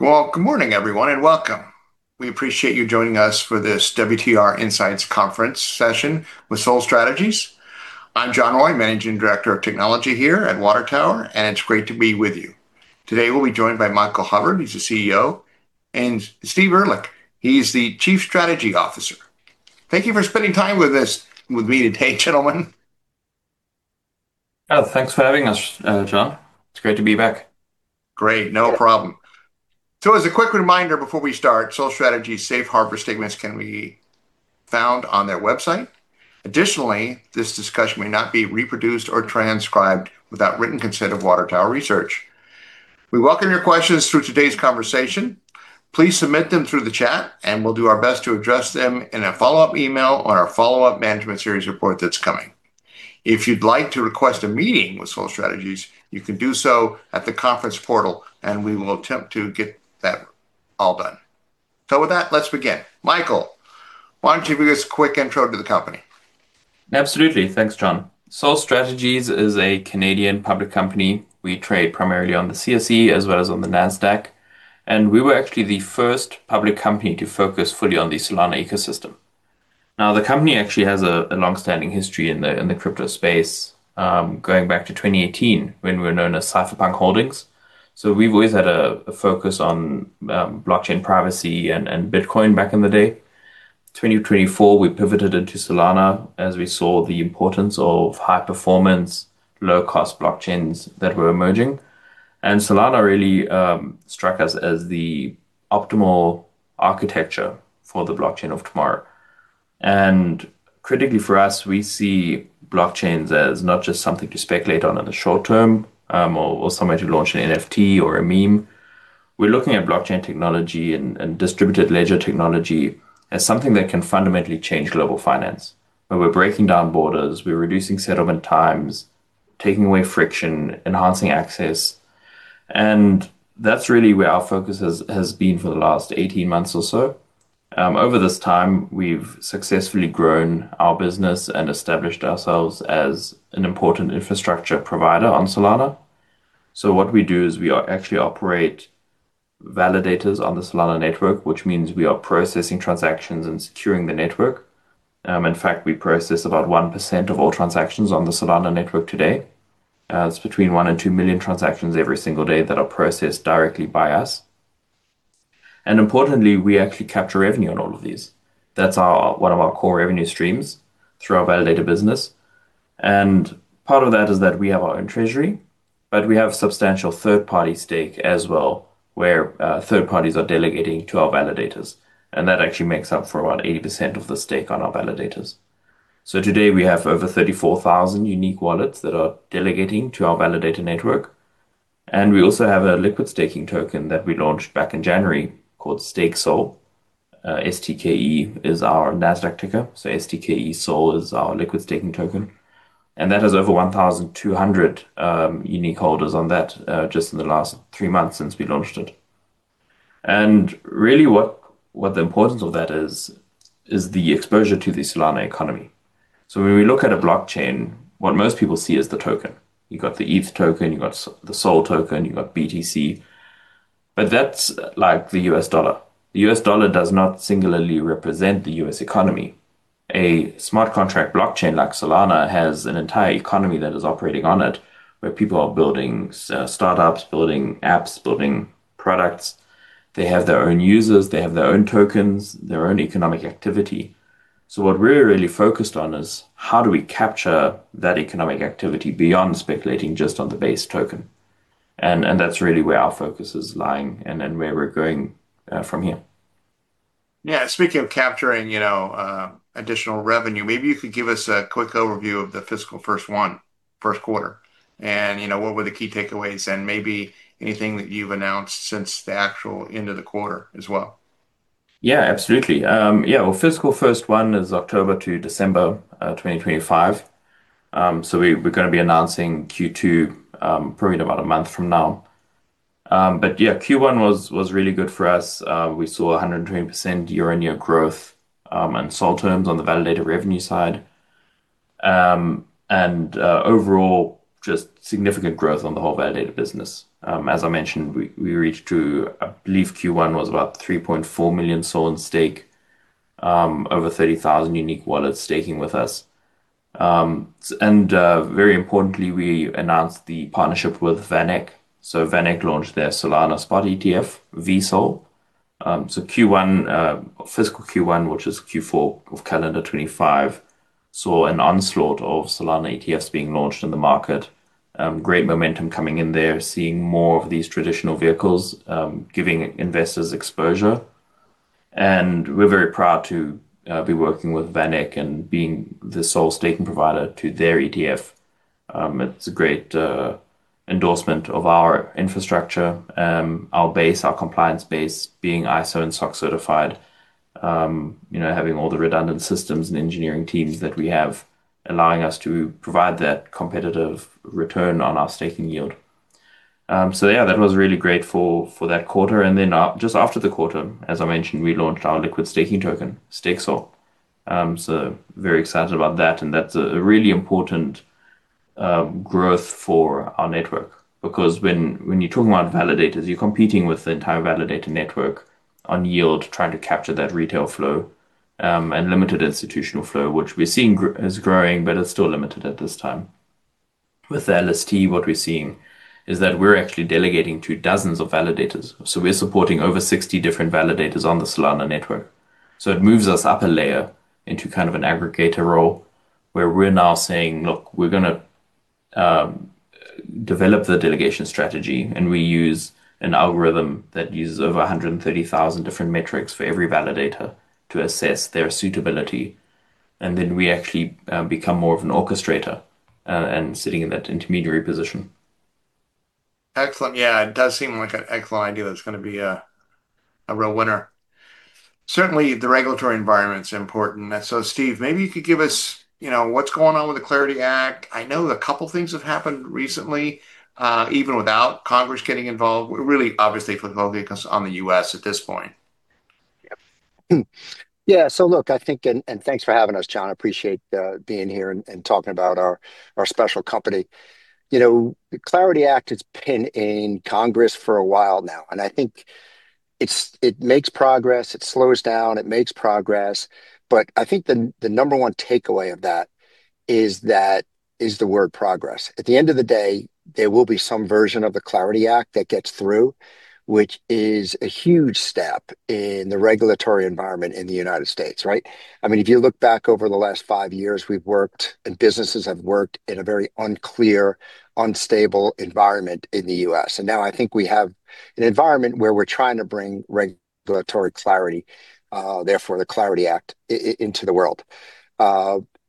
Well, good morning, everyone, and welcome. We appreciate you joining us for this WTR Insights Conference session with Sol Strategies. I'm John Roy, Managing Director of Technology here at Water Tower, and it's great to be with you. Today, we'll be joined by Michael Hubbard, he's the CEO, and Steve Ehrlich, he's the Chief Strategy Officer. Thank you for spending time with me today, gentlemen. Oh, thanks for having us, John. It's great to be back. Great. No problem. As a quick reminder before we start, Sol Strategies' safe harbor statements can be found on their website. Additionally, this discussion may not be reproduced or transcribed without written consent of Water Tower Research. We welcome your questions through today's conversation. Please submit them through the chat, and we'll do our best to address them in a follow-up email on our follow-up management series report that's coming. If you'd like to request a meeting with Sol Strategies, you can do so at the conference portal, and we will attempt to get that all done. With that, let's begin. Michael, why don't you give us a quick intro to the company? Absolutely. Thanks, John. Sol Strategies is a Canadian public company. We trade primarily on the CSE as well as on the Nasdaq, and we were actually the first public company to focus fully on the Solana ecosystem. Now, the company actually has a long-standing history in the crypto space, going back to 2018, when we were known as Cypherpunk Holdings, so we've always had a focus on blockchain privacy and Bitcoin back in the day. 2024, we pivoted into Solana as we saw the importance of high-performance, low-cost blockchains that were emerging. Solana really struck us as the optimal architecture for the blockchain of tomorrow. Critically for us, we see blockchains as not just something to speculate on in the short term, or somewhere to launch an NFT or a meme. We're looking at blockchain technology and distributed ledger technology as something that can fundamentally change global finance, where we're breaking down borders, we're reducing settlement times, taking away friction, enhancing access, and that's really where our focus has been for the last 18 months or so. Over this time, we've successfully grown our business and established ourselves as an important infrastructure provider on Solana. What we do is we actually operate validators on the Solana network, which means we are processing transactions and securing the network. In fact, we process about 1% of all transactions on the Solana network today. It's between 1 million and 2 million transactions every single day that are processed directly by us. Importantly, we actually capture revenue on all of these. That's one of our core revenue streams through our validator business. Part of that is that we have our own treasury, but we have substantial third-party stake as well, where third parties are delegating to our validators, and that actually makes up for about 80% of the stake on our validators. Today, we have over 34,000 unique wallets that are delegating to our validator network, and we also have a liquid staking token that we launched back in January called STKESOL. STKE is our Nasdaq ticker. STKESOL is our liquid staking token, and that has over 1,200 unique holders on that just in the last three months since we launched it. Really what the importance of that is the exposure to the Solana economy. When we look at a blockchain, what most people see is the token. You got the ETH token, you got the SOL token, you got BTC, but that's like the U.S. dollar. The U.S. dollar does not singularly represent the U.S. economy. A smart contract blockchain like Solana has an entire economy that is operating on it, where people are building startups, building apps, building products. They have their own users. They have their own tokens, their own economic activity. What we're really focused on is how do we capture that economic activity beyond speculating just on the base token. That's really where our focus is lying and where we're going from here. Yeah. Speaking of capturing additional revenue, maybe you could give us a quick overview of the fiscal first quarter? What were the key takeaways and maybe anything that you've announced since the actual end of the quarter as well? Yeah, absolutely. Well, Fiscal first one is October to December 2025. We're going to be announcing Q2 probably in about a month from now. Yeah, Q1 was really good for us. We saw 120% year-on-year growth, in SOL terms, on the validator revenue side. Overall, just significant growth on the whole validator business. As I mentioned, I believe Q1 was about 3.4 million SOL in stake, over 30,000 unique wallets staking with us. Very importantly, we announced the partnership with VanEck. VanEck launched their Solana spot ETF, VSOL. Fiscal Q1, which is Q4 of calendar 2025, saw an onslaught of Solana ETFs being launched in the market. Great momentum coming in there, seeing more of these traditional vehicles giving investors exposure. We're very proud to be working with VanEck and being the SOL staking provider to their ETF. It's a great endorsement of our infrastructure, our base, our compliance base, being ISO and SOC certified, having all the redundant systems and engineering teams that we have, allowing us to provide that competitive return on our staking yield. Yeah, that was really great for that quarter. Just after the quarter, as I mentioned, we launched our liquid staking token, STKESOL. I'm so very excited about that, and that's a really important growth for our network. Because when you're talking about validators, you're competing with the entire validator network on yield, trying to capture that retail flow, and limited institutional flow, which we're seeing is growing, but it's still limited at this time. With the LST, what we're seeing is that we're actually delegating to dozens of validators. We're supporting over 60 different validators on the Solana network. It moves us up a layer into kind of an aggregator role where we're now saying, "Look, we're going to develop the delegation strategy," and we use an algorithm that uses over 130,000 different metrics for every validator to assess their suitability, and then we actually become more of an orchestrator and sitting in that intermediary position. Excellent. Yeah, it does seem like an excellent idea that's going to be a real winner. Certainly, the regulatory environment's important. Steve, maybe you could give us what's going on with the CLARITY Act. I know a couple things have happened recently, even without Congress getting involved. We're really obviously focusing on the U.S. at this point. Yep. Yeah, look, thanks for having us, John. I appreciate being here and talking about our special company. The CLARITY Act has been in Congress for a while now, and I think it makes progress, it slows down, it makes progress. I think the number one takeaway of that is the word progress. At the end of the day, there will be some version of the CLARITY Act that gets through, which is a huge step in the regulatory environment in the United States, right? If you look back over the last five years, we've worked, and businesses have worked in a very unclear, unstable environment in the U.S. Now I think we have an environment where we're trying to bring regulatory clarity, therefore the CLARITY Act, into the world.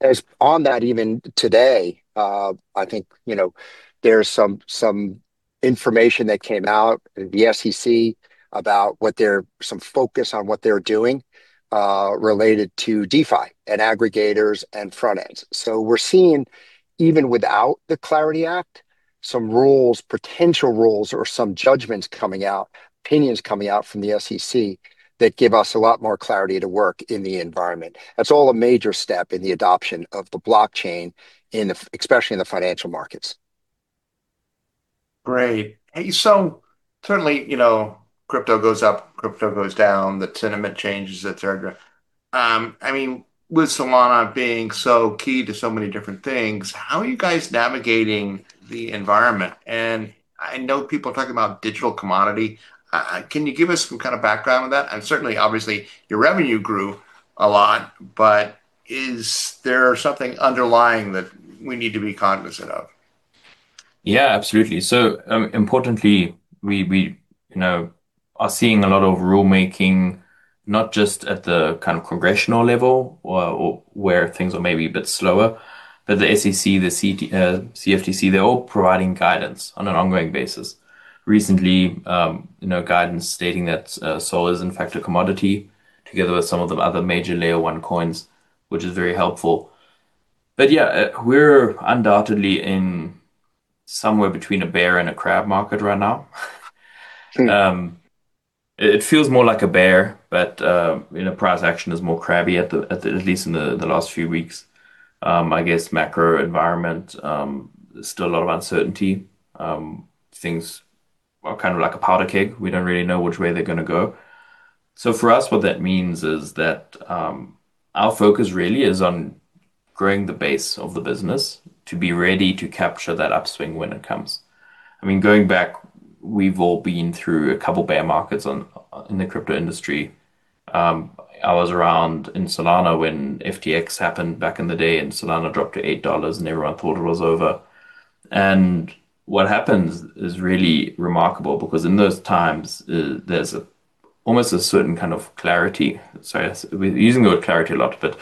As on that, even today, I think, there's some information that came out in the SEC about some focus on what they're doing, related to DeFi and aggregators and front ends. We're seeing, even without the CLARITY Act, some rules, potential rules or some judgments coming out, opinions coming out from the SEC that give us a lot more clarity to work in the environment. That's all a major step in the adoption of the blockchain, especially in the financial markets. Great. Hey, certainly, crypto goes up, crypto goes down, the sentiment changes, et cetera. With Solana being so key to so many different things, how are you guys navigating the environment? I know people are talking about digital commodity. Can you give us some kind of background on that? Certainly, obviously, your revenue grew a lot, but is there something underlying that we need to be cognizant of? Yeah, absolutely. Importantly, we are seeing a lot of rulemaking, not just at the kind of congressional level, or where things are maybe a bit slower, but the SEC, the CFTC, they're all providing guidance on an ongoing basis. Recently, guidance stating that SOL is, in fact, a commodity, together with some of the other major layer one coins, which is very helpful. Yeah, we're undoubtedly in somewhere between a bear and a crab market right now. It feels more like a bear, but price action is more crabby, at least in the last few weeks. I guess macro environment, there's still a lot of uncertainty. Things are kind of like a powder keg. We don't really know which way they're going to go. For us, what that means is that our focus really is on growing the base of the business to be ready to capture that upswing when it comes. Going back, we've all been through a couple bear markets in the crypto industry. I was around in Solana when FTX happened back in the day, and Solana dropped to $8, and everyone thought it was over. What happens is really remarkable, because in those times, there's almost a certain kind of clarity. Sorry, we're using the word clarity a lot, but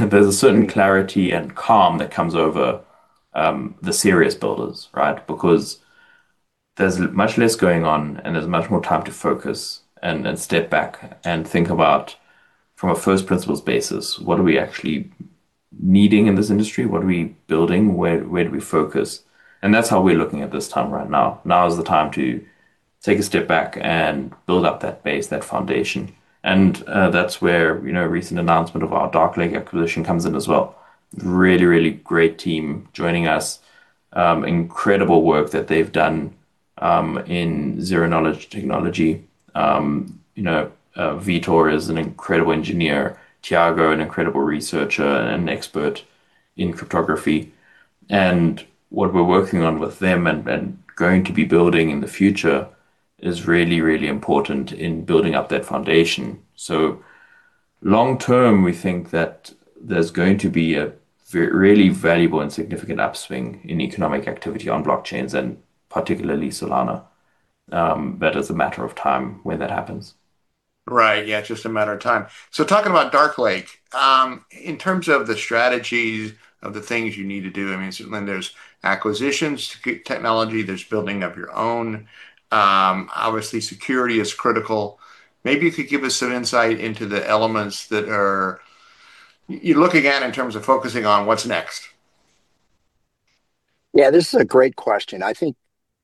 there's a certain clarity and calm that comes over the serious builders, right? Because there's much less going on, and there's much more time to focus and step back and think about, from a first principles basis, what are we actually needing in this industry? What are we building? Where do we focus? That's how we're looking at this time right now. Now is the time to take a step back and build up that base, that foundation. That's where recent announcement of our Dark Lake acquisition comes in as well, really, really great team joining us, incredible work that they've done in zero-knowledge technology. Vitor is an incredible engineer, Thiago, an incredible researcher and expert in cryptography. What we're working on with them and going to be building in the future is really, really important in building up that foundation. Long term, we think that there's going to be a really valuable and significant upswing in economic activity on blockchains and particularly Solana, as a matter of time when that happens. Right. Yeah, just a matter of time. Talking about Dark Lake, in terms of the strategies of the things you need to do, then there's acquisitions, technology, there's building of your own. Obviously, security is critical. Maybe you could give us some insight into the elements. You look again in terms of focusing on what's next. Yeah, this is a great question. I think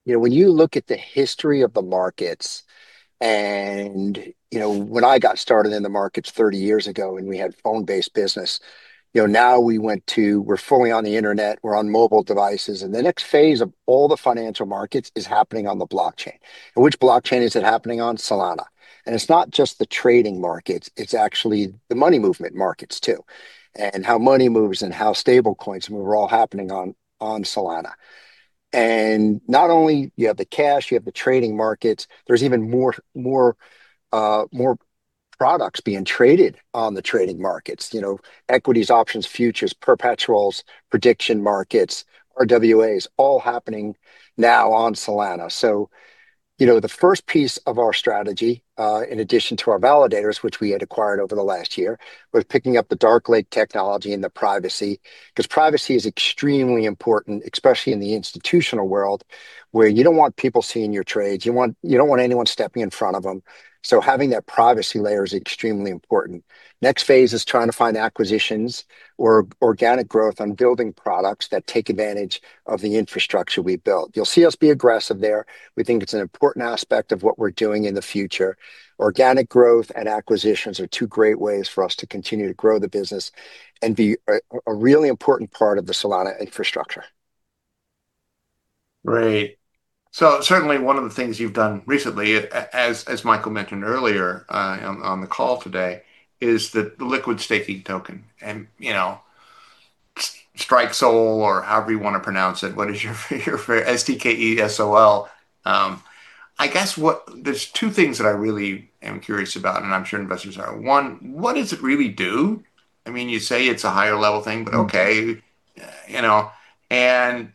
when you look at the history of the markets, and when I got started in the markets 30 years ago, and we had phone-based business. Now we're fully on the internet, we're on mobile devices, and the next phase of all the financial markets is happening on the blockchain. Which blockchain is it happening on? Solana. It's not just the trading markets, it's actually the money movement markets too, and how money moves and how stablecoins move are all happening on Solana. Not only you have the cash, you have the trading markets, there's even more products being traded on the trading markets. Equities, options, futures, perpetuals, prediction markets, RWAs, all happening now on Solana. The first piece of our strategy, in addition to our validators, which we had acquired over the last year, was picking up the Dark Lake technology and the privacy because privacy is extremely important, especially in the institutional world, where you don't want people seeing your trades. You don't want anyone stepping in front of them. Having that privacy layer is extremely important. Next phase is trying to find acquisitions or organic growth on building products that take advantage of the infrastructure we've built. You'll see us be aggressive there. We think it's an important aspect of what we're doing in the future. Organic growth and acquisitions are two great ways for us to continue to grow the business and be a really important part of the Solana infrastructure. Great. Certainly one of the things you've done recently, as Michael mentioned earlier on the call today, is the liquid staking token and STKESOL, or however you want to pronounce it. What is your STKESOL? I guess there's two things that I really am curious about, and I'm sure investors are. One, what does it really do? You say it's a higher-level thing, but okay.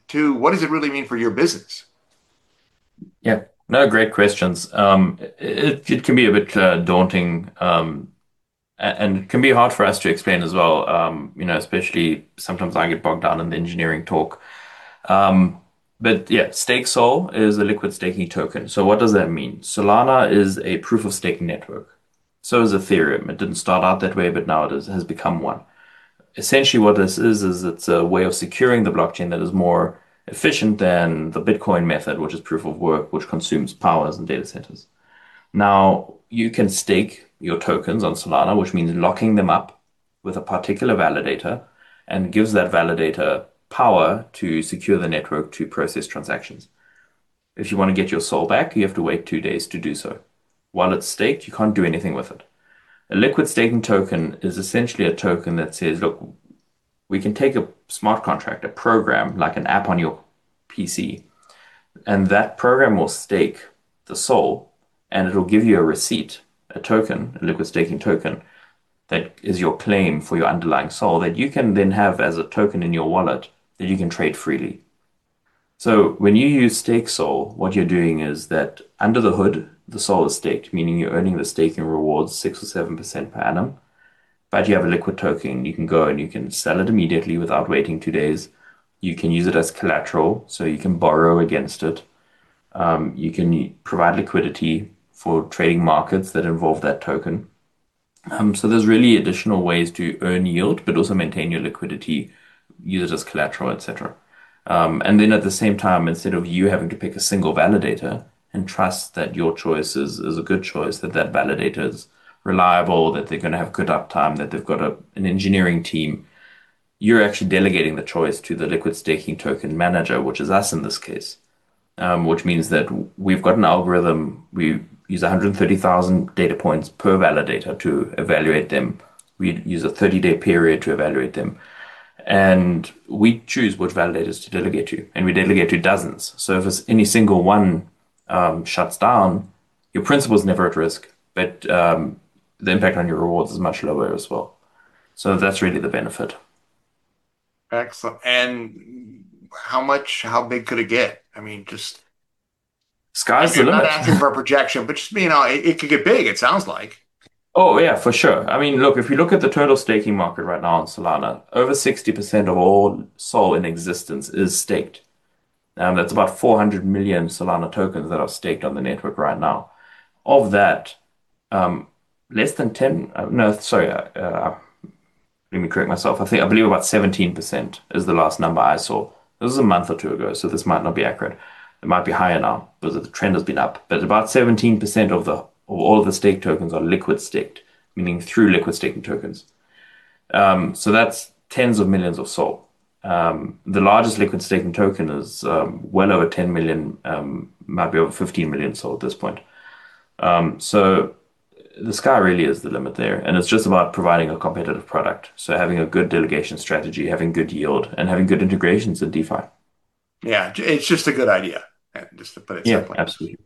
Two, what does it really mean for your business? Yeah, no, great questions. It can be a bit daunting, and it can be hard for us to explain as well, especially sometimes I get bogged down in the engineering talk. Yeah, STKESOL is a liquid staking token. What does that mean? Solana is a proof of stake network. So is Ethereum. It didn't start out that way, but now it has become one. Essentially, what this is it's a way of securing the blockchain that is more efficient than the Bitcoin method, which is proof of work, which consumes power and data centers. Now, you can stake your tokens on Solana, which means locking them up with a particular validator, and gives that validator power to secure the network to process transactions. If you want to get your SOL back, you have to wait two days to do so. While it's staked, you can't do anything with it. A liquid staking token is essentially a token that says, look, we can take a smart contract, a program, like an app on your PC, and that program will stake the SOL, and it'll give you a receipt, a token, a liquid staking token that is your claim for your underlying SOL that you can then have as a token in your wallet that you can trade freely. When you use STKESOL, what you're doing is that under the hood, the SOL is staked, meaning you're earning the staking rewards 6%-7% per annum. You have a liquid token. You can go and you can sell it immediately without waiting two days. You can use it as collateral, so you can borrow against it. You can provide liquidity for trading markets that involve that token. There's really additional ways to earn yield, but also maintain your liquidity, use it as collateral, et cetera. At the same time, instead of you having to pick a single validator and trust that your choice is a good choice, that that validator's reliable, that they're going to have good uptime, that they've got an engineering team, you're actually delegating the choice to the liquid staking token manager, which is us in this case, which means that we've got an algorithm. We use 130,000 data points per validator to evaluate them. We use a 30-day period to evaluate them. We choose which validators to delegate to, and we delegate to dozens. If any single one shuts down, your principal's never at risk, but the impact on your rewards is much lower as well. That's really the benefit. Excellent. How much, how big could it get? Sky's the limit. I'm not asking for a projection, but just it could get big, it sounds like. Oh, yeah, for sure. Look, if you look at the total staking market right now on Solana, over 60% of all SOL in existence is staked. That's about 400 million Solana tokens that are staked on the network right now. No, sorry. Let me correct myself. I believe about 17% is the last number I saw. This was a month or two ago, so this might not be accurate. It might be higher now because the trend has been up. About 17% of all the staked tokens are liquid staked, meaning through liquid staking tokens. That's tens of millions of SOL. The largest liquid staking token is well over 10 million, might be over 15 million SOL at this point. The sky really is the limit there, and it's just about providing a competitive product. Having a good delegation strategy, having good yield, and having good integrations in DeFi. Yeah. It's just a good idea, just to put it simply. Yeah, absolutely.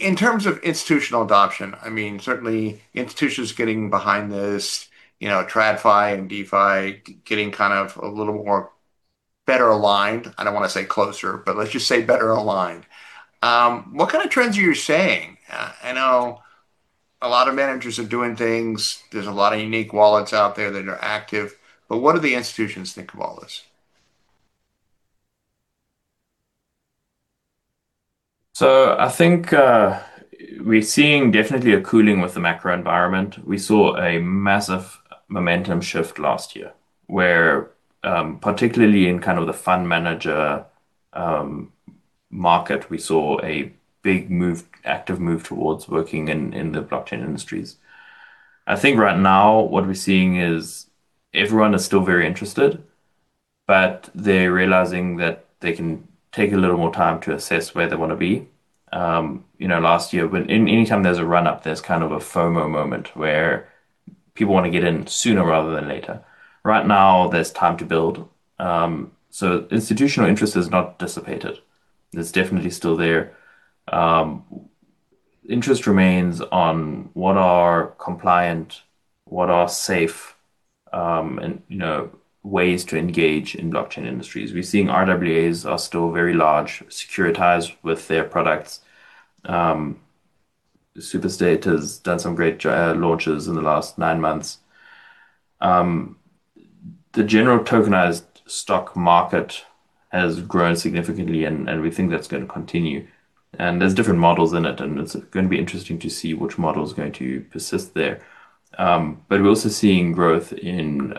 In terms of institutional adoption, certainly institutions getting behind this, TradFi and DeFi getting kind of a little more better aligned. I don't want to say closer, but let's just say better aligned. What kind of trends are you seeing? I know a lot of managers are doing things. There's a lot of unique wallets out there that are active. What do the institutions think of all this? I think we're seeing definitely a cooling with the macro environment. We saw a massive momentum shift last year where, particularly in kind of the fund manager market, we saw a big, active move towards working in the blockchain industries. I think right now what we're seeing is everyone is still very interested, but they're realizing that they can take a little more time to assess where they want to be. Last year, anytime there's a run-up, there's kind of a FOMO moment where people want to get in sooner rather than later. Right now, there's time to build. Institutional interest has not dissipated. It's definitely still there. Interest remains on what are compliant, what are safe ways to engage in blockchain industries. We're seeing RWAs are still very large, Securitize with their products. Superstate has done some great launches in the last nine months. The general tokenized stock market has grown significantly, and we think that's going to continue, and there's different models in it, and it's going to be interesting to see which model is going to persist there. We're also seeing growth in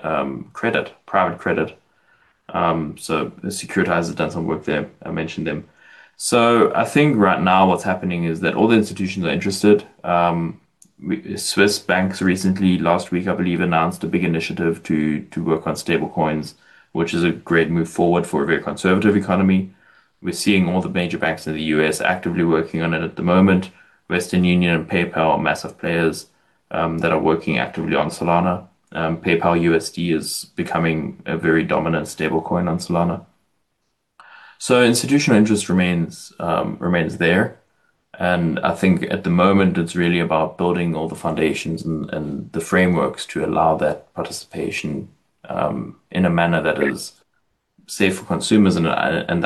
credit, private credit. Securitize has done some work there. I mentioned them. I think right now what's happening is that all the institutions are interested. Swiss banks recently, last week, I believe, announced a big initiative to work on stablecoins, which is a great move forward for a very conservative economy. We're seeing all the major banks in the U.S. actively working on it at the moment. Western Union and PayPal are massive players that are working actively on Solana. PayPal USD is becoming a very dominant stablecoin on Solana. Institutional interest remains there, and I think at the moment it's really about building all the foundations and the frameworks to allow that participation in a manner that is safe for consumers and the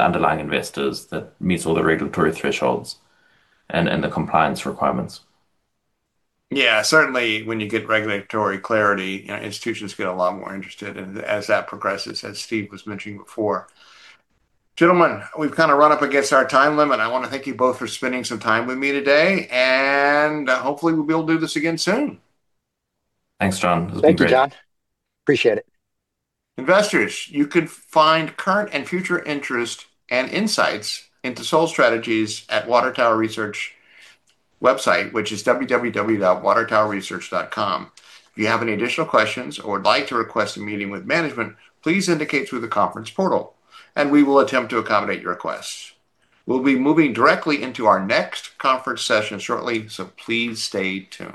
underlying investors that meets all the regulatory thresholds and the compliance requirements. Yeah, certainly when you get regulatory clarity, institutions get a lot more interested in as that progresses, as Steve was mentioning before. Gentlemen, we've kind of run up against our time limit. I want to thank you both for spending some time with me today, and hopefully we'll be able to do this again soon. Thanks, John. It's been great. Thank you, John. Appreciate it. Investors, you can find current and future interest and insights into Sol Strategies at Water Tower Research website, which is www.watertowerresearch.com. If you have any additional questions or would like to request a meeting with Management, please indicate through the conference portal and we will attempt to accommodate your request. We'll be moving directly into our next conference session shortly. Please stay tuned.